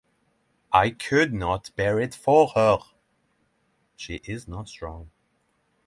I could not bear it for her! — She is not strong.